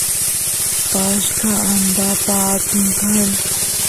pashqa andapa atun kan